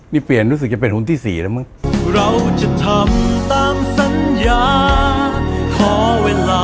นี่เปลี่ยนรู้สึกจะเป็นหุ้นที่๔นะมึง